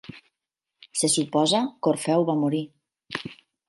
Se suposa que Orfeu va morir.